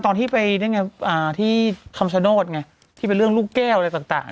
ตอนที่ไปได้ไงอ่าที่คำชโนธไงที่เป็นเรื่องลูกแก้วอะไรต่าง